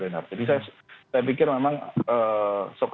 jadi saya pikir memang